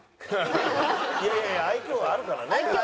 いやいやいや愛嬌はあるからね。